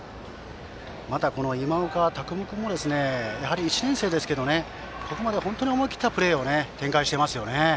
また、今岡拓夢君も１年生ですけどここまで本当に思い切ったプレーを展開していますよね。